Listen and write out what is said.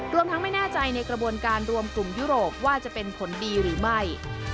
รวมทั้งไม่แน่ใจในกระบวนการรวมกลุ่มยุโรปว่าจะเป็นผลดีหรือไม่